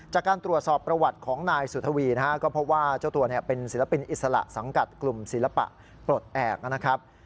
จากการตรวจสอบประวัติของนายสุธวีนะฮะก็พบว่าเจ้าตัวเป็นศิลปินอิสระสังกัดกลุ่มศิลปะปลดแอบนะครับ